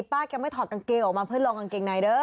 แกไม่ถอดกางเกงออกมาเพื่อลองกางเกงในเด้อ